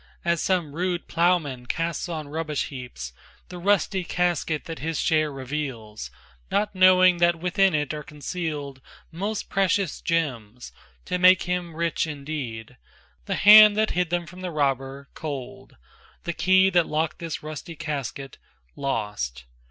As some rude plowman casts on rubbish heaps The rusty casket that his share reveals, Not knowing that within it are concealed Most precious gems, to make him rich indeed, The hand that hid them from the robber, cold, The key that locked this rusty casket, lost.